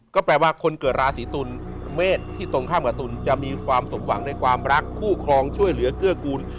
ก็แปลว่าคนเกิดราศีตุลเมษที่ตรงข้ามกับตุลจะมีความสมหวังในความรักคู่ครองช่วยเหลือเกื้อกูล